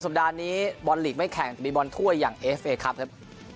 สัปดาห์นี้บอลลีกไม่แข่งมีบอลถ้วยอย่างเอฟเอครับครับ